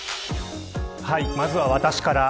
まずは私から。